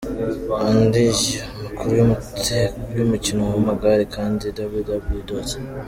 Andi makuru y’umukino w’amagare kanda www.